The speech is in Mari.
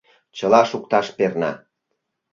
Чыла шукташ перна.